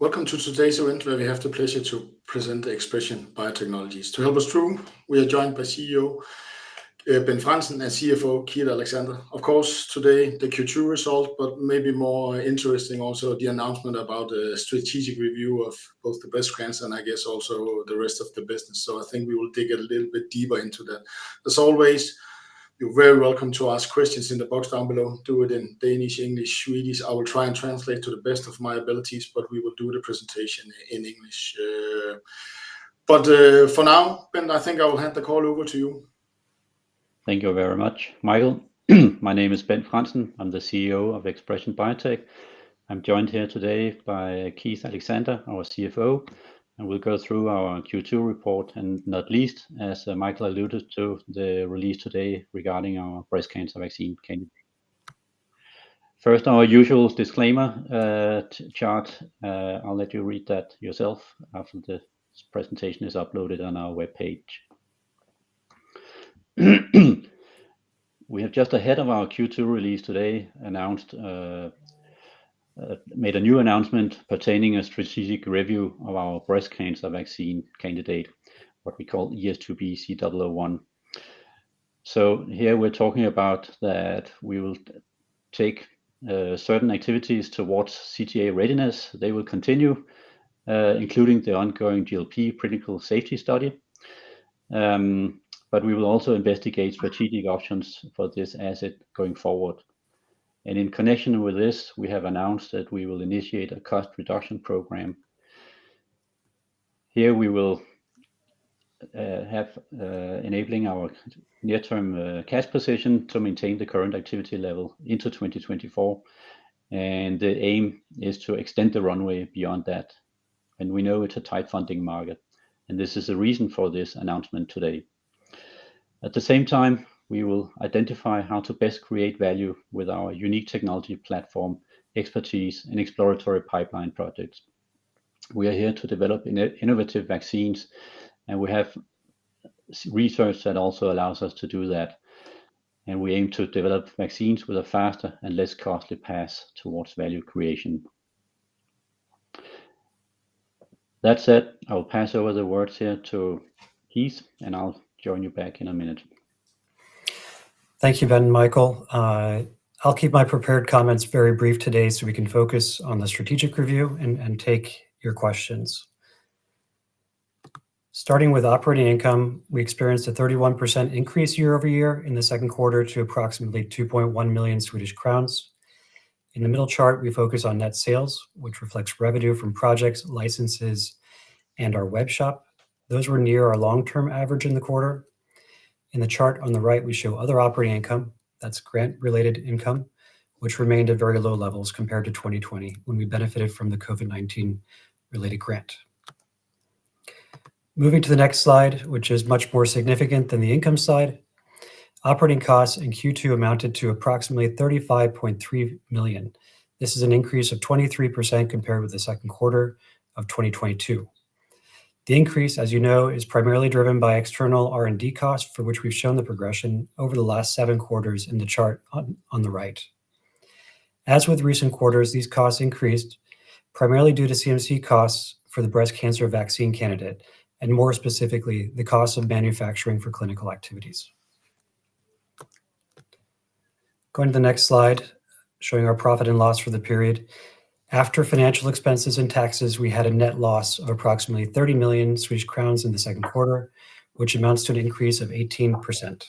Welcome to today's event, where we have the pleasure to present ExpreS2ion Biotechnologies. To help us through, we are joined by CEO Bent Frandsen, and CFO Keith Alexander. Of course, today, the Q2 result, maybe more interesting also, the announcement about the strategic review of both the breast cancer and I guess also the rest of the business. I think we will dig a little bit deeper into that. As always, you're very welcome to ask questions in the box down below. Do it in Danish, English, Swedish. I will try and translate to the best of my abilities, but we will do the presentation in English. For now, Bent, I think I will hand the call over to you. Thank you very much, Michael. My name is Bent Frandsen. I'm the CEO of ExpreS2ion Biotech. I'm joined here today by Keith Alexander, our CFO, and we'll go through our Q2 report, and not least, as Michael alluded to, the release today regarding our breast cancer vaccine candidate. First, our usual disclaimer chart, I'll let you read that yourself after the presentation is uploaded on our webpage. We have, just ahead of our Q2 release today, announced, made a new announcement pertaining a strategic review of our breast cancer vaccine candidate, what we call ES2B-C001. Here we're talking about that we will take certain activities towards CTA readiness. They will continue, including the ongoing GLP critical safety study. We will also investigate strategic options for this asset going forward. In connection with this, we have announced that we will initiate a cost reduction program. Here, we will enabling our near-term cash position to maintain the current activity level into 2024, and the aim is to extend the runway beyond that. We know it's a tight funding market, and this is the reason for this announcement today. At the same time, we will identify how to best create value with our unique technology platform, expertise, and exploratory pipeline projects. We are here to develop innovative vaccines, and we have research that also allows us to do that, and we aim to develop vaccines with a faster and less costly path towards value creation. That said, I will pass over the words here to Keith, and I'll join you back in a minute. Thank you, Bent and Michael. I'll keep my prepared comments very brief today, so we can focus on the strategic review and, and take your questions. Starting with operating income, we experienced a 31% increase year-over-year in the second quarter to approximately 2.1 million Swedish crowns. In the middle chart, we focus on net sales, which reflects revenue from projects, licenses, and our webshop. Those were near our long-term average in the quarter. In the chart on the right, we show other operating income, that's grant-related income, which remained at very low levels compared to 2020, when we benefited from the COVID-19 related grant. Moving to the next slide, which is much more significant than the income side, operating costs in Q2 amounted to approximately 35.3 million. This is an increase of 23% compared with the second quarter of 2022. The increase, as you know, is primarily driven by external R&D costs, for which we've shown the progression over the last seven quarters in the chart on, on the right. As with recent quarters, these costs increased primarily due to CMC costs for the breast cancer vaccine candidate, and more specifically, the cost of manufacturing for clinical activities. Going to the next slide, showing our profit and loss for the period. After financial expenses and taxes, we had a net loss of approximately 30 million Swedish crowns in the second quarter, which amounts to an increase of 18%.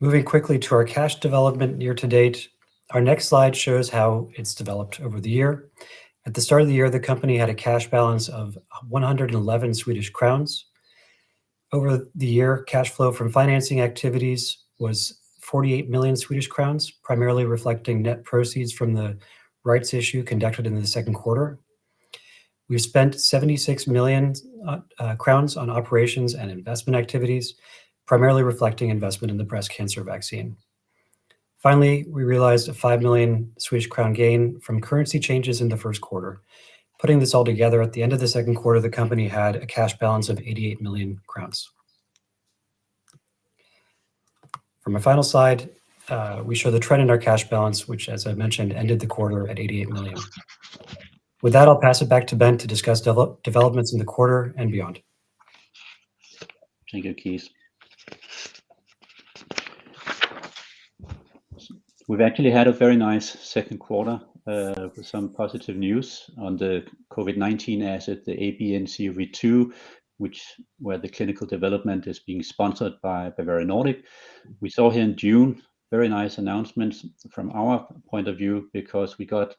Moving quickly to our cash development year to date, our next slide shows how it's developed over the year. At the start of the year, the company had a cash balance of 111 million Swedish crowns. Over the year, cash flow from financing activities was 48 million Swedish crowns, primarily reflecting net proceeds from the rights issue conducted in the second quarter. We spent 76 million crowns on operations and investment activities, primarily reflecting investment in the breast cancer vaccine. Finally, we realized a 5 million Swedish crown gain from currency changes in the first quarter. Putting this all together, at the end of the second quarter, the company had a cash balance of 88 million crowns. For my final slide, we show the trend in our cash balance, which, as I mentioned, ended the quarter at 88 million. With that, I'll pass it back to Bent to discuss developments in the quarter and beyond. Thank you, Keith. We've actually had a very nice second quarter with some positive news on the COVID-19 asset, the ABNCoV2, where the clinical development is being sponsored by Bavarian Nordic. We saw here in June, very nice announcements from our point of view because we got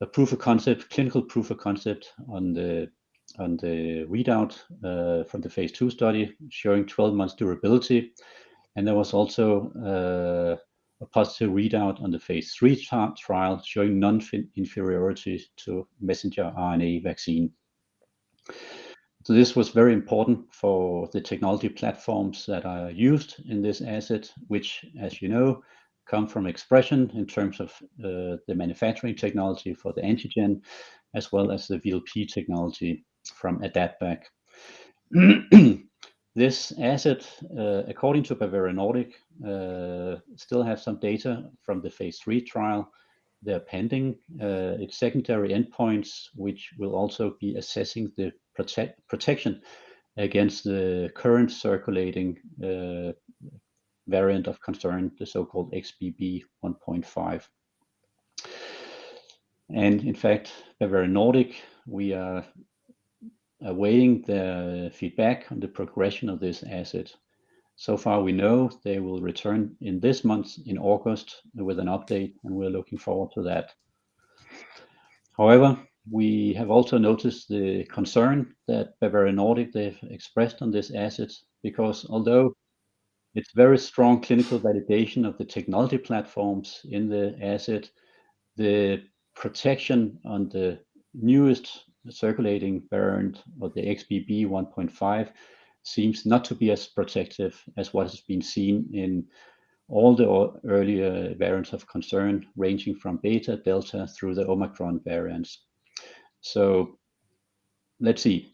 a proof of concept, clinical proof of concept on the, on the readout from the phase II study, showing 12 months durability. There was also a positive readout on the phase III trial, showing noninferiority to messenger RNA vaccine. This was very important for the technology platforms that are used in this asset, which, as you know, come from ExpreS2ion in terms of the manufacturing technology for the antigen, as well as the VLP technology from AdaptVac. This asset, according to Bavarian Nordic, still has some data from the phase III trial. They are pending its secondary endpoints, which will also be assessing the protection against the current circulating variant of concern, the so-called XBB.1.5. In fact, Bavarian Nordic, we are awaiting the feedback on the progression of this asset. So far, we know they will return in this month, in August, with an update, and we're looking forward to that. However, we have also noticed the concern that Bavarian Nordic, they've expressed on this asset, because although it's very strong clinical validation of the technology platforms in the asset, the protection on the newest circulating variant of the XBB.1.5, seems not to be as protective as what has been seen in all the earlier variants of concern, ranging from Beta, Delta, through the Omicron variants. Let's see.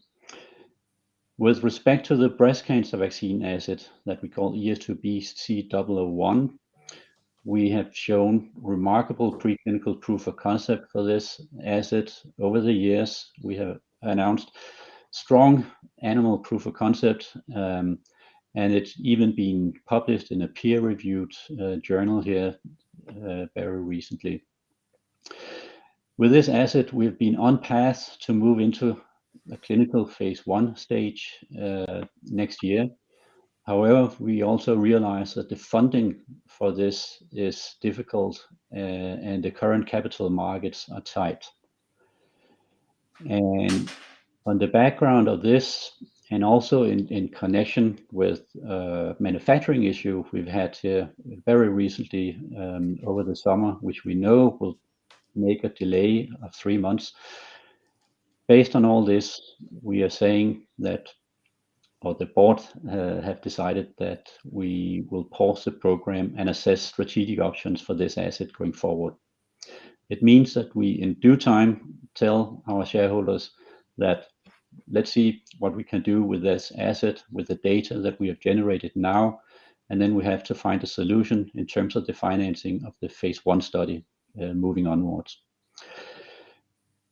With respect to the breast cancer vaccine asset that we call ES2B-C001, we have shown remarkable preclinical proof of concept for this asset. Over the years, we have announced strong animal proof of concept, and it's even been published in a peer-reviewed journal here very recently. With this asset, we've been on path to move into a clinical phase I stage next year. However, we also realize that the funding for this is difficult, and the current capital markets are tight. On the background of this, and also in connection with a manufacturing issue we've had here very recently over the summer, which we know will make a delay of three months. Based on all this, we are saying that, or the board, have decided that we will pause the program and assess strategic options for this asset going forward. It means that we, in due time, tell our shareholders that, "Let's see what we can do with this asset, with the data that we have generated now, and then we have to find a solution in terms of the financing of the phase I study, moving onwards."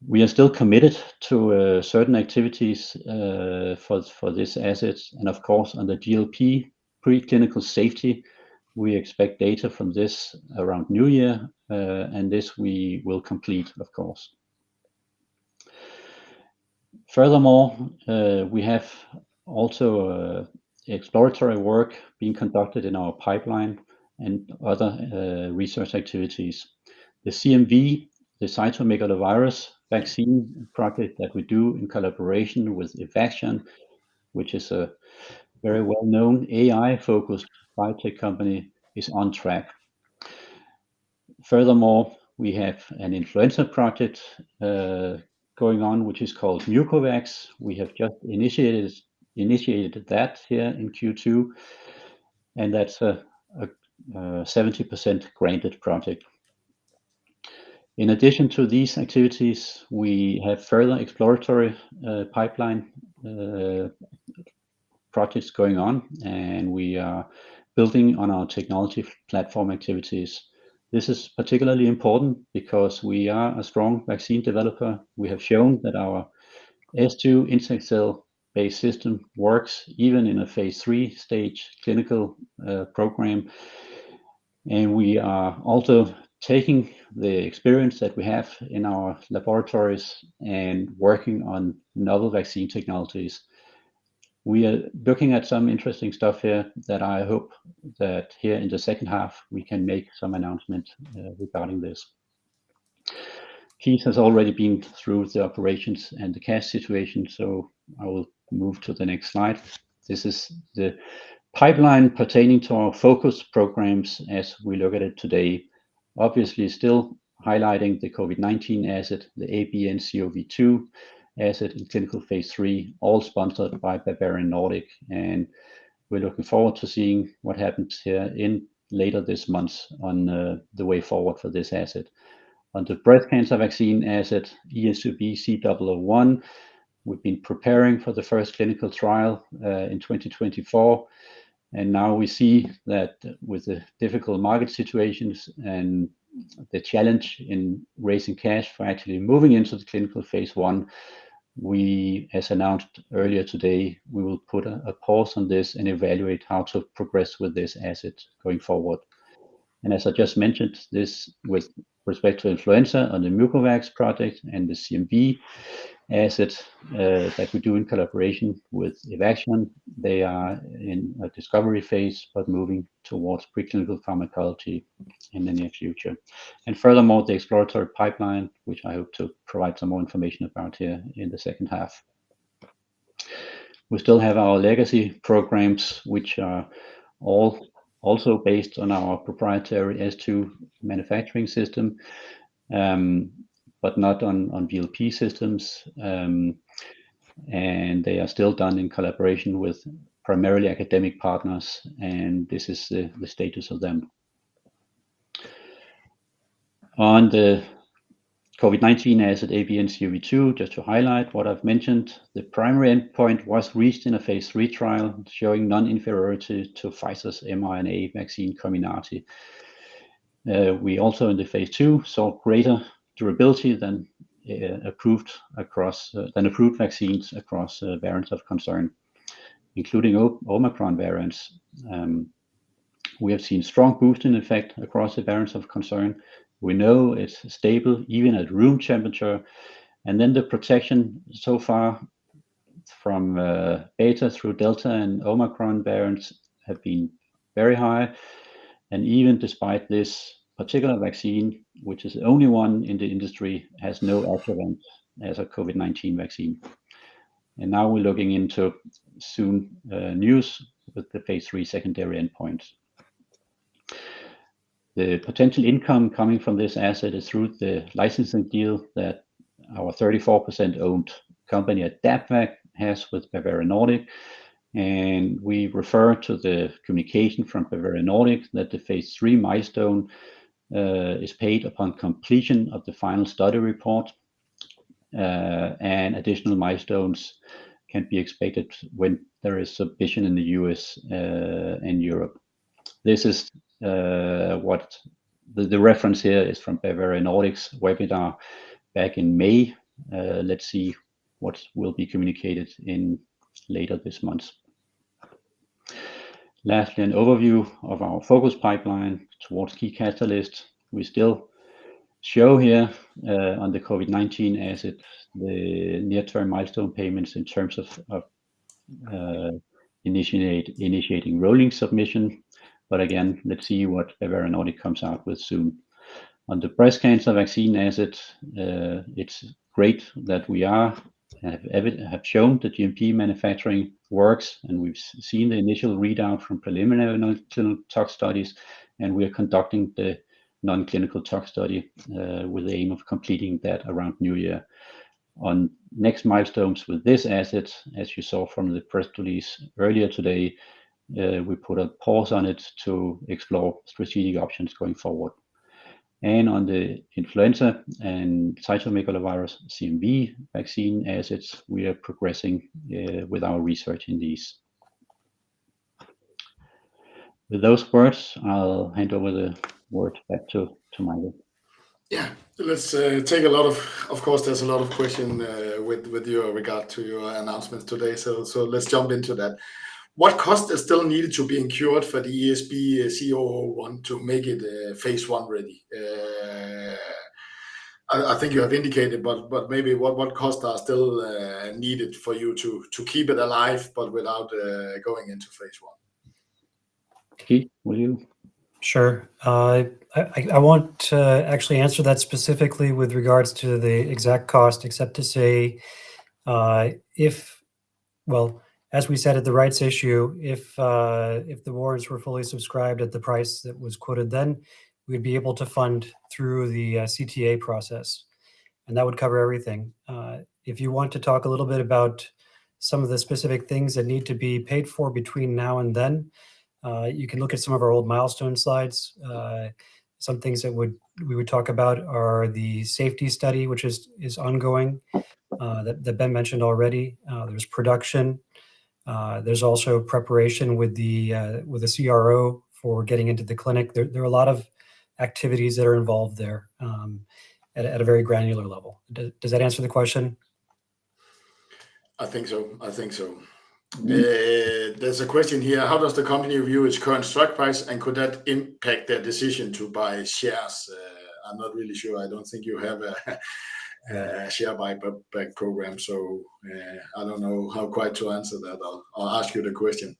We are still committed to certain activities for, for this asset, and of course, on the GLP preclinical safety, we expect data from this around New Year, and this we will complete, of course. Furthermore, we have also a exploratory work being conducted in our pipeline and other research activities. The CMV, the cytomegalovirus vaccine project that we do in collaboration with Evaxion, which is a very well-known AI-focused biotech company, is on track. Furthermore, we have an influenza project going on, which is called MucoVax. We have just initiated, initiated that here in Q2, and that's a 70% granted project. In addition to these activities, we have further exploratory pipeline projects going on, and we are building on our technology platform activities. This is particularly important because we are a strong vaccine developer. We have shown that our S2 insect cell-based system works even in a phase III stage clinical program. We are also taking the experience that we have in our laboratories and working on novel vaccine technologies. We are looking at some interesting stuff here that I hope that here in the second half, we can make some announcements regarding this. Keith has already been through the operations and the cash situation, so I will move to the next slide. This is the pipeline pertaining to our focus programs as we look at it today. Obviously, still highlighting the COVID-19 asset, the ABNCoV2 asset in clinical phase III, all sponsored by Bavarian Nordic, and we're looking forward to seeing what happens here in later this month on the way forward for this asset. On the breast cancer vaccine asset, ES2B-C001, we've been preparing for the first clinical trial in 2024, and now we see that with the difficult market situations and the challenge in raising cash for actually moving into the clinical phase I, we, as announced earlier today, we will put a pause on this and evaluate how to progress with this asset going forward. As I just mentioned this, with respect to influenza on the MucoVax project and the CMV asset that we do in collaboration with Evaxion, they are in a discovery phase, but moving towards preclinical pharmacology in the near future. Furthermore, the exploratory pipeline, which I hope to provide some more information about here in the second half. We still have our legacy programs, which are all also based on our proprietary S2 manufacturing system, but not on, on VLP systems. They are still done in collaboration with primarily academic partners, and this is the, the status of them. On the COVID-19 asset, ABNCoV2, just to highlight what I've mentioned, the primary endpoint was reached in a phase III trial, showing non-inferiority to Pfizer's mRNA vaccine, COMIRNATY. We also, in the phase II, saw greater durability than approved across, than approved vaccines across variants of concern, including Omicron variants. We have seen strong boosting effect across the variants of concern. We know it's stable even at room temperature, then the protection so far from Beta through Delta and Omicron variants have been very high. Even despite this particular vaccine, which is the only one in the industry, has no alternates as a COVID-19 vaccine. Now we're looking into soon news with the phase III secondary endpoint. The potential income coming from this asset is through the licensing deal that our 34% owned company, AdaptVac, has with Bavarian Nordic. We refer to the communication from Bavarian Nordic that the phase III milestone is paid upon completion of the final study report, and additional milestones can be expected when there is submission in the U.S. and Europe. This is. The reference here is from Bavarian Nordic's webinar back in May. Let's see what will be communicated in later this month. Lastly, an overview of our focus pipeline towards key catalysts. We still show here, on the COVID-19 asset, the near-term milestone payments in terms of initiating rolling submission. Again, let's see what Bavarian Nordic comes out with soon. On the breast cancer vaccine asset, it's great that we have shown that GMP manufacturing works, and we've seen the initial readout from preliminary non-clinical toxicology studies, and we are conducting the non-clinical toxicology study, with the aim of completing that around New Year. On next milestones with this asset, as you saw from the press release earlier today, we put a pause on it to explore strategic options going forward. On the influenza and cytomegalovirus, CMV, vaccine assets, we are progressing with our research in these. With those words, I'll hand over the word back to Michael. Yeah. Let's take a lot of course, there's a lot of question with, with you in regard to your announcements today, so let's jump into that. What cost is still needed to be incurred for the ES2B-C001 to make it phase I ready? I think you have indicated, but maybe what costs are still needed for you to keep it alive, but without going into phase I? Keith, will you? Sure. I, I, I want to actually answer that specifically with regards to the exact cost, except to say, if... Well, as we said at the rights issue, if the awards were fully subscribed at the price that was quoted, then we'd be able to fund through the CTA process, and that would cover everything. If you want to talk a little bit about some of the specific things that need to be paid for between now and then, you can look at some of our old milestone slides. Some things that would- we would talk about are the safety study, which is, is ongoing, that, that Bent mentioned already. There's production. There's also preparation with the CRO for getting into the clinic. There, there are a lot of activities that are involved there, at a, at a very granular level. Does that answer the question? I think so. I think so. There's a question here: How does the company view its current strike price, and could that impact their decision to buy shares? I'm not really sure. I don't think you have a share buyback program, so, I don't know how quite to answer that. I'll ask you the question.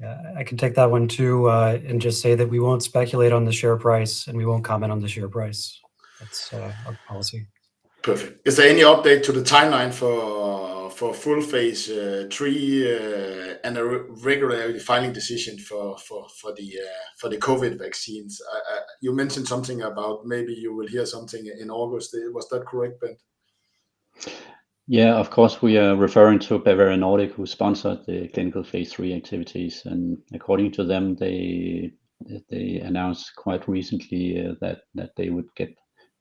Yeah, I can take that one, too, and just say that we won't speculate on the share price, and we won't comment on the share price. That's our policy. Perfect. Is there any update to the timeline for, for full phase III, and a re- regulatory filing decision for, for, for the, for the COVID-19 vaccines? You mentioned something about maybe you will hear something in August. Was that correct, Bent? Yeah, of course, we are referring to Bavarian Nordic, who sponsored the clinical phase III activities. According to them, they announced quite recently that they would get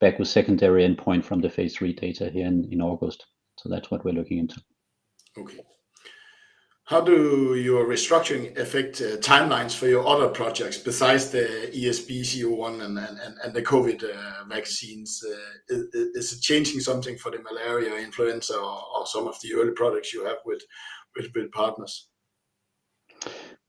back with secondary endpoint from the phase III data here in August. That's what we're looking into. Okay. How do your restructuring affect timelines for your other projects besides the ES2B-C001 and, and, and, and the COVID-19 vaccines? Is it changing something for the malaria, influenza, or, or some of the early products you have with, with big partners?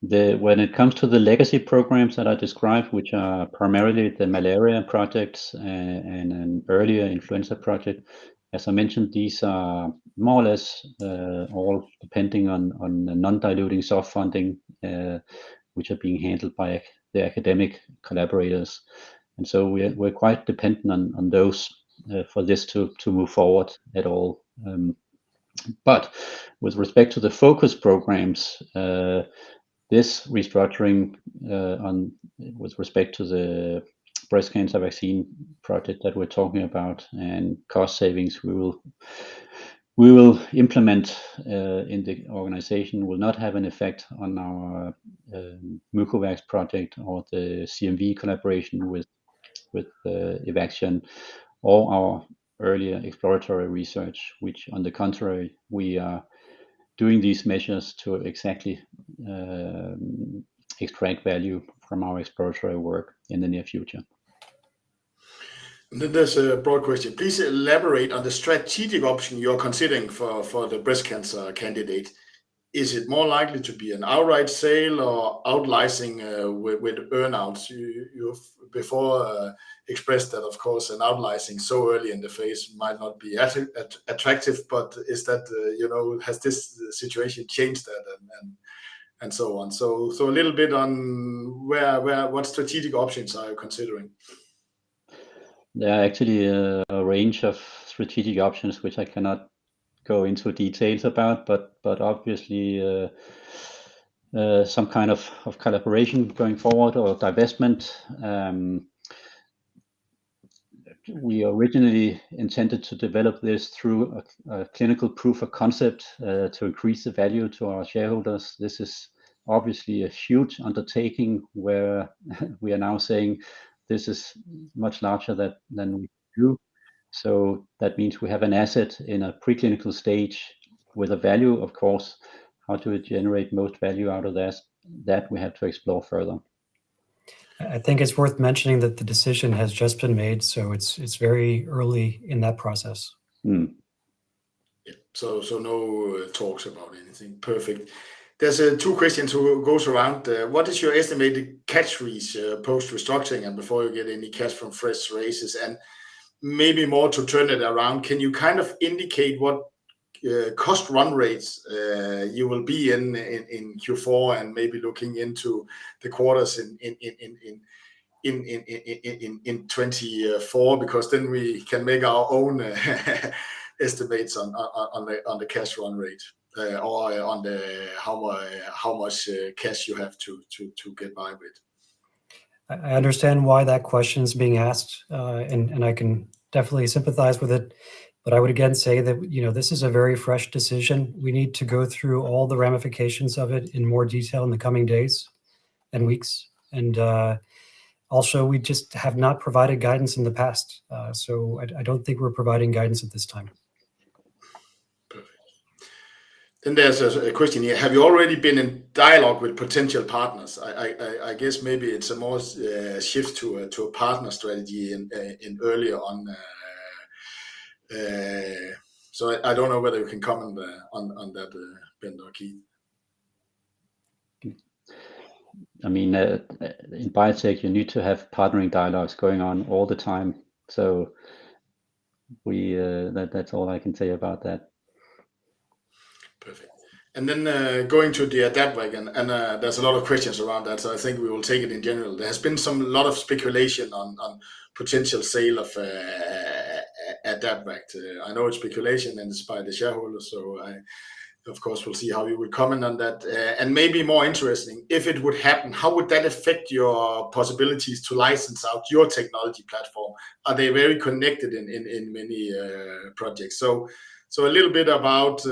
When it comes to the legacy programs that I described, which are primarily the malaria projects and earlier influenza project, as I mentioned, these are more or less all depending on the non-diluting self-funding, which are being handled by the academic collaborators. We're quite dependent on those for this to move forward at all. With respect to the focus programs, this restructuring on, with respect to the breast cancer vaccine project that we're talking about and cost savings, we will implement in the organization will not have an effect on our MucoVax project or the CMV collaboration with Evaxion or our earlier exploratory research, which on the contrary, we are doing these measures to exactly extract value from our exploratory work in the near future. There's a broad question: Please elaborate on the strategic option you're considering for the breast cancer candidate. Is it more likely to be an outright sale or out licensing with the earn-outs? You, you've before expressed that, of course, an out licensing so early in the phase might not be attractive, but is that, you know, has this situation changed that, and, and, and so on? A little bit on what strategic options are you considering? There are actually a, a range of strategic options, which I cannot go into details about, but obviously, some kind of collaboration going forward or divestment. We originally intended to develop this through a clinical proof of concept to increase the value to our shareholders. This is obviously a huge undertaking, where we are now saying this is much larger than we knew. That means we have an asset in a preclinical stage with a value, of course, how do we generate most value out of this? That we have to explore further. I think it's worth mentioning that the decision has just been made, so it's very early in that process. Mm. Yeah. No talks about anything. Perfect. There's two questions who goes around: What is your estimated cash reach post-restructuring and before you get any cash from fresh raises? Maybe more to turn it around, can you kind of indicate what cost run rates you will be in Q4 and maybe looking into the quarters in 2024? Then we can make our own estimates on the cash run rate, or on how much cash you have to get by with. I, I understand why that question is being asked, and, and I can definitely sympathize with it, but I would again say that, you know, this is a very fresh decision. We need to go through all the ramifications of it in more detail in the coming days and weeks. Also, we just have not provided guidance in the past, so I, I don't think we're providing guidance at this time. Perfect. There's a question here: Have you already been in dialogue with potential partners? I guess maybe it's a more shift to a partner strategy in earlier on. I don't know whether you can comment on that, on that, Bent or Keith. I mean, in biotech, you need to have partnering dialogs going on all the time. We. That, that's all I can say about that. Perfect. Going to the AdaptVac, there's a lot of questions around that, so I think we will take it in general. There has been some lot of speculation on, on potential sale of AdaptVac. I know it's speculation, and it's by the shareholders, so I, of course, we'll see how you will comment on that. Maybe more interesting, if it would happen, how would that affect your possibilities to license out your technology platform? Are they very connected in, in, in many projects? A little bit about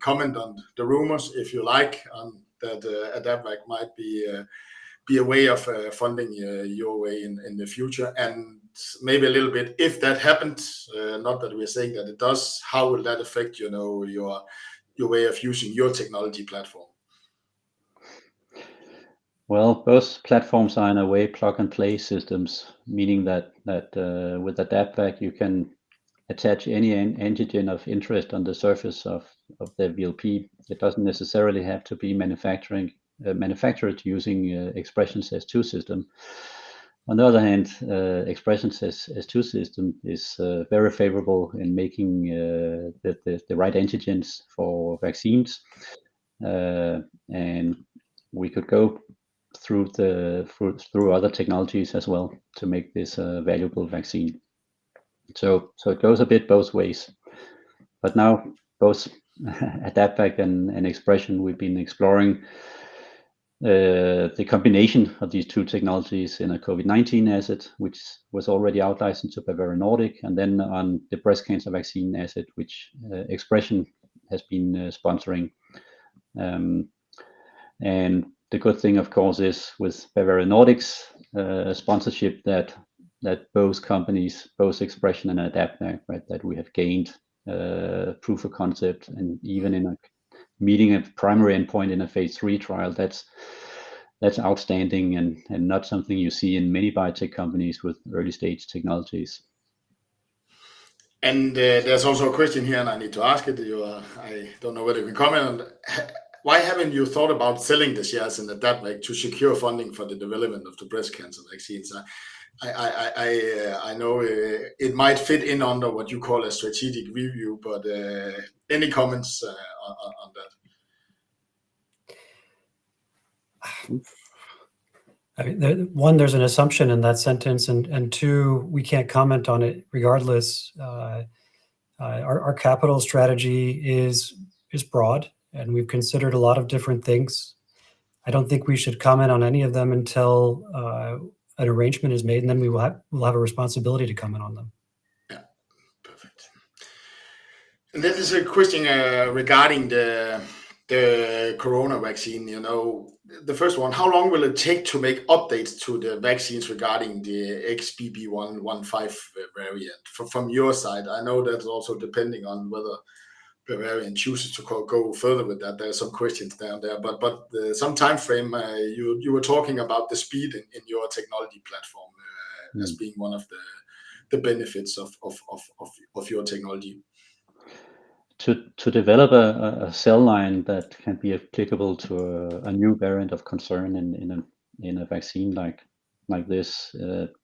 comment on the rumors, if you like, on that, AdaptVac might be a way of funding your way in, in the future. Maybe a little bit, if that happens, not that we're saying that it does, how will that affect, you know, your, your way of using your technology platform? Well, both platforms are, in a way, plug-and-play systems, meaning that, that with AdaptVac, you can attach any antigen of interest on the surface of, of the VLP. It doesn't necessarily have to be manufacturing, manufactured using, ExpreS2 system. On the other hand, ExpreS2 system is very favorable in making the, the, the right antigens for vaccines. We could go through the, through, through other technologies as well to make this a valuable vaccine. It goes a bit both ways. Now, both AdaptVac and ExpreS2ion, we've been exploring the combination of these two technologies in a COVID-19 asset, which was already out licensed to Bavarian Nordic, and then on the breast cancer vaccine asset, which ExpreS2ion has been sponsoring. The good thing, of course, is with Bavarian Nordic's sponsorship, that both companies, both ExpreS2ion and AdaptVac, right, that we have gained proof of concept, and even in a meeting a primary endpoint in a phase III trial, that's outstanding and not something you see in many biotech companies with early-stage technologies. There's also a question here, and I need to ask it to you. I don't know whether you can comment on why haven't you thought about selling the shares in AdaptVac to secure funding for the development of the breast cancer vaccines? I, I, I, I know it might fit in under what you call a strategic review, but any comments on, on, on that? I mean, there- one, there's an assumption in that sentence, and, and two, we can't comment on it regardless. Our, our capital strategy is, is broad, and we've considered a lot of different things. I don't think we should comment on any of them until an arrangement is made, and then we will have, we'll have a responsibility to comment on them. Yeah. Perfect. This is a question regarding the corona vaccine. You know, the first one, how long will it take to make updates to the vaccines regarding the XBB.1.5 variant from your side? I know that's also depending on whether Bavarian chooses to go further with that. There are some questions down there, but some time frame, you were talking about the speed in your technology platform. Mm... as being one of the, the benefits of, of, of, of, of your technology. To develop a cell line that can be applicable to a new variant of concern in a vaccine like this,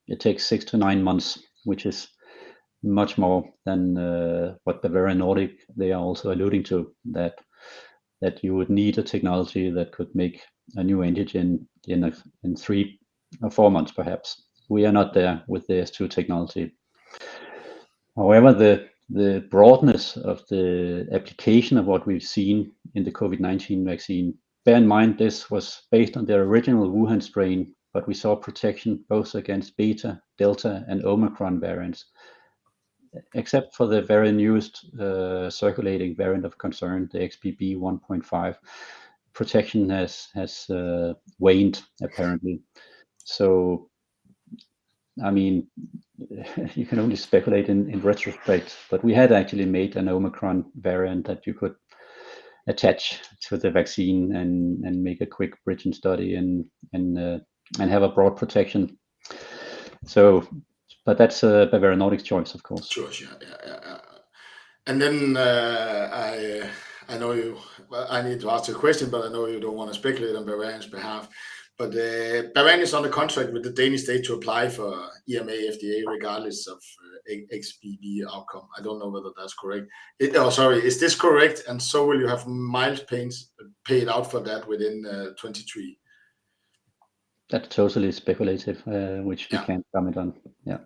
it takes six to nine months, which is much more than what Bavarian Nordic, they are also alluding to, that you would need a technology that could make a new antigen in three or four months, perhaps. We are not there with the ExpreS2 platform. However, the broadness of the application of what we've seen in the COVID-19 vaccine, bear in mind, this was based on the original Wuhan strain, but we saw protection both against Beta, Delta, and Omicron variants. Except for the very newest, circulating variant of concern, the XBB.1.5, protection has waned, apparently. I mean, you can only speculate in, in retrospect, but we had actually made an Omicron variant that you could attach to the vaccine and, and make a quick bridging study and, and have a broad protection. But that's Bavarian Nordic's choice, of course. Sure. Yeah. Yeah, yeah, yeah. I, I know you... Well, I need to ask a question, but I know you don't want to speculate on Bavarian's behalf, but Bavarian is on the contract with the Danish state to apply for EMA, FDA, regardless of XBB outcome. I don't know whether that's correct. Sorry, is this correct, will you have milestones paid out for that within 2023? That's totally speculative, which- Yeah we can't comment on. Yeah.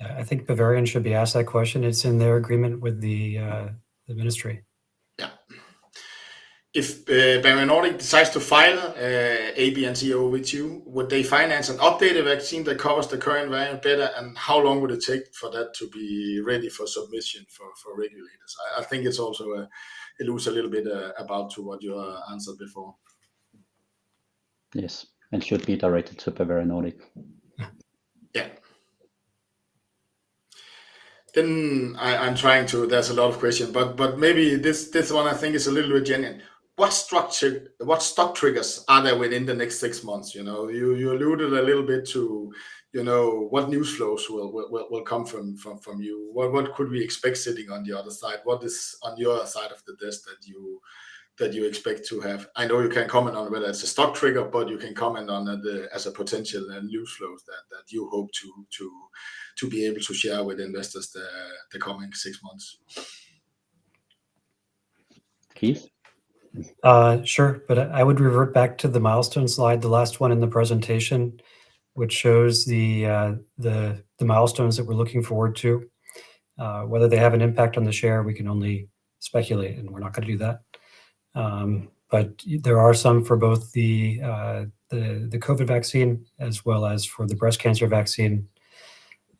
Yeah. I think Bavarian should be asked that question. It's in their agreement with the, the ministry. Yeah. If Bavarian Nordic decides to file ABNCoV2 with you, would they finance an updated vaccine that covers the current variant better, and how long would it take for that to be ready for submission for regulators? I, I think it's also, it was a little bit, about to what you answered before. Yes, should be directed to Bavarian Nordic. Yeah. There's a lot of questions, but maybe this one I think is a little bit genuine. What stock triggers are there within the next six months? You know, you alluded a little bit to, you know, what news flows will come from you. What could we expect sitting on the other side? What is on your side of the desk that you expect to have? I know you can't comment on whether it's a stock trigger, but you can comment on the, as a potential news flow that you hope to be able to share with investors the coming six months. Keith? Sure, but I, I would revert back to the milestone slide, the last one in the presentation, which shows the, the, the milestones that we're looking forward to. Whether they have an impact on the share, we can only speculate, and we're not gonna do that. There are some for both the, the, the COVID-19 vaccine as well as for the breast cancer vaccine.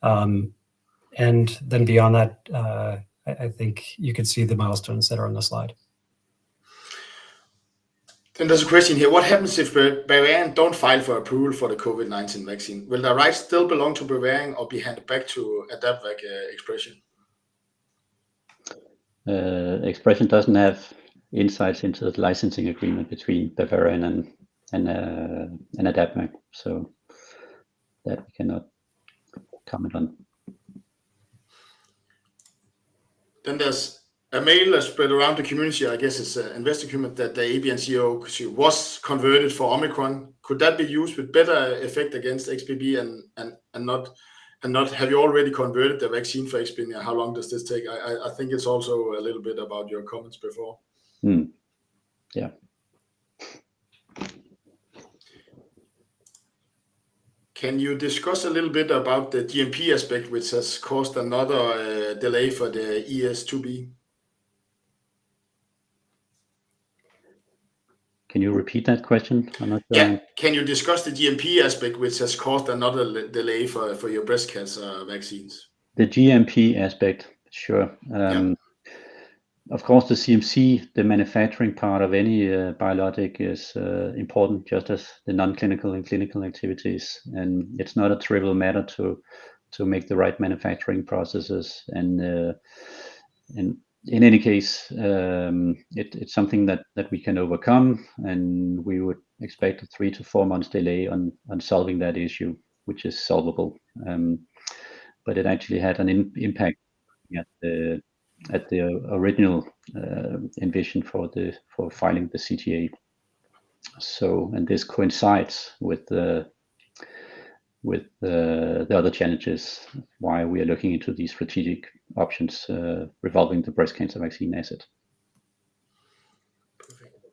Then beyond that, I, I think you could see the milestones that are on the slide. There's a question here: What happens if Bavarian don't file for approval for the COVID-19 vaccine? Will the rights still belong to Bavarian or be handed back to AdaptVac, ExpreS2ion? ExpreS2ion doesn't have insights into the licensing agreement between Bavarian and AdaptVac, so that we cannot comment on. There's a mail that spread around the community. I guess it's an investor comment, that the ABNCoV2 was converted for Omicron. Could that be used with better effect against XBB? Have you already converted the vaccine for XBB, and how long does this take? I think it's also a little bit about your comments before. Hmm. Yeah. Can you discuss a little bit about the GMP aspect, which has caused another delay for the ES2B? Can you repeat that question? I'm not sure- Yeah. Can you discuss the GMP aspect, which has caused another delay for your breast cancer vaccines? The GMP aspect? Sure. Yeah. Of course, the CMC, the manufacturing part of any biologic is important, just as the non-clinical and clinical activities, and it's not a trivial matter to make the right manufacturing processes. In any case, it's something that we can overcome, and we would expect a three to four months delay on solving that issue, which is solvable. It actually had an impact at the original envision for filing the CTA. This coincides with the other challenges, why we are looking into these strategic options revolving the breast cancer vaccine asset. Perfect.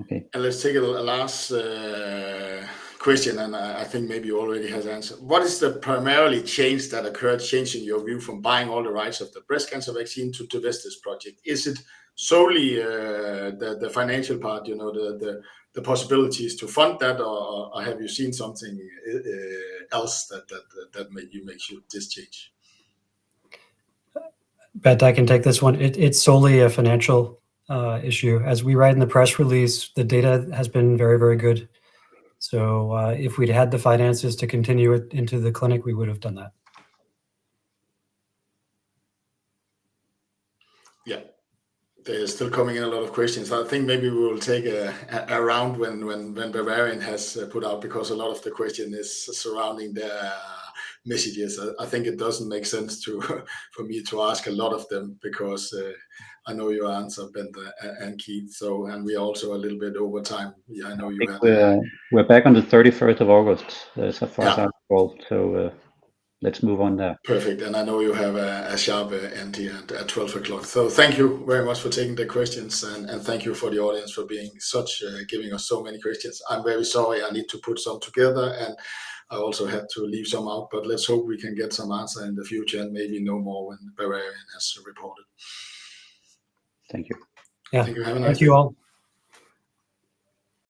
Okay. Let's take a last question, and I, I think maybe you already has answered. What is the primarily change that occurred, change in your view from buying all the rights of the breast cancer vaccine to, to divest this project? Is it solely the, the financial part, you know, the, the, the possibilities to fund that, or, or have you seen something else that, that, that made you, makes you this change? Bent, I can take this one. It, it's solely a financial, issue. As we write in the press release, the data has been very, very good, so, if we'd had the finances to continue it into the clinic, we would have done that. Yeah. There is still coming in a lot of questions. I think maybe we will take a, a, a round when, when, when Bavarian has put out, because a lot of the question is surrounding their messages. I think it doesn't make sense to, for me to ask a lot of them because I know you answered, Bent, and Keith, so, we are also a little bit over time. Yeah, I know you have- I think we're back on the 31st of August. Yeah. It's a far out call, so, let's move on there. Perfect, I know you have a, a sharp end here at 12:00. Thank you very much for taking the questions, and thank you for the audience for being such, giving us so many questions. I'm very sorry I need to put some together, I also had to leave some out, let's hope we can get some answer in the future and maybe know more when Bavarian has reported. Thank you. Yeah. Thank you very much. Thank you, all.